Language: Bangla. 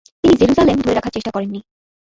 তিনি জেরুসালেম ধরে রাখার চেষ্টা করেননি।